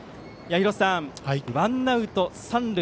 廣瀬さん、ワンアウト三塁。